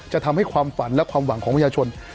จะทำให้ความฝันและความหวังของประชาชน